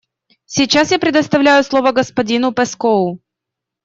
Сейчас я предоставляю слово господину Пэскоу.